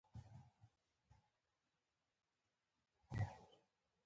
خېښي، يعنی چي يو شخص ته لور يا خور په نکاح ورکي.